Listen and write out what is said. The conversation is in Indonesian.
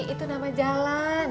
itu nama jalan